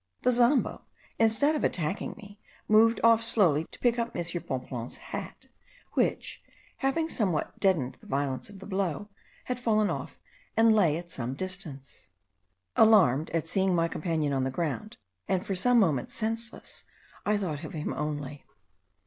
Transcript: The Zambo, instead of attacking me, moved off slowly to pick up M. Bonpland's hat, which, having somewhat deadened the violence of the blow, had fallen off and lay at some distance. Alarmed at seeing my companion on the ground, and for some moments senseless, I thought of him only.